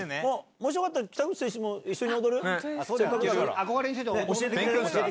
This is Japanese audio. もしよかったら、北口選手も一緒に踊る？